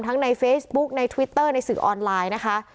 ในเฟซบุ๊กในทวิตเตอร์ในสื่อออนไลน์นะคะ